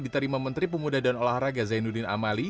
diterima menteri pemuda dan olahraga zainuddin amali